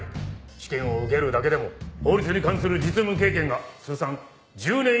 試験を受けるだけでも法律に関する実務経験が通算１０年以上必要な専門職だ。